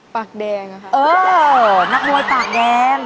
ปากแดงอะค่ะเออนักมวยปากแดง